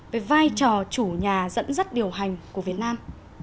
với vai trò chủ nhà dẫn dắt điều hành của việt nam